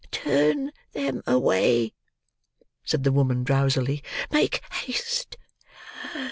"Turn them away," said the woman, drowsily; "make haste!